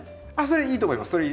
それいいと思います。